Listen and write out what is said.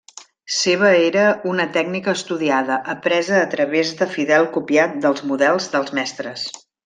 Seva era una tècnica estudiada, apresa a través de fidel copiat dels models dels mestres.